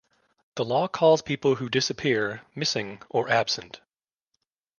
The law calls people who disappear "missing" or "absent".